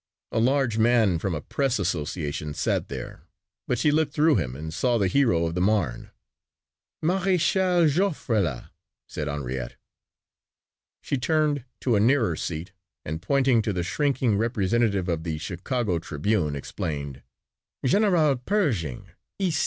A large man from a press association sat there but she looked through him and saw the hero of the Marne. "Maréchal Joffre là," said Henriette. She turned to a nearer seat and pointing to the shrinking representative of the Chicago Tribune explained, "General Pearshing ici."